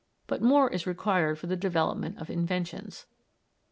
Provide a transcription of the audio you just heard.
But more is required for the development of inventions.